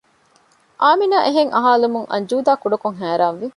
އާމިނާ އެހެން އަހާލުމުން އަންޖޫދާ ކުޑަކޮށް ހައިރާންވި